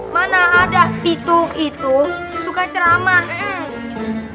mana ada pitu itu suka ceramah